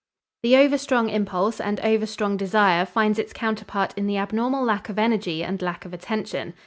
The overstrong impulse and overstrong desire finds its counterpart in the abnormal lack of energy and lack of attention.